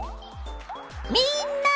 みんな！